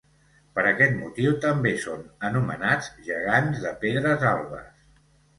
Per aquest motiu també són anomenats Gegants de Pedres Albes.